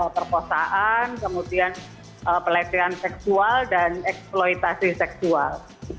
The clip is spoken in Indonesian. perkosaan kemudian pelecehan seksual dan eksploitasi seksual